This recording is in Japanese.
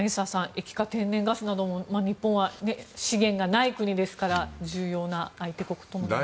液化天然ガスなども日本は資源がない国ですから重要な相手国となっています。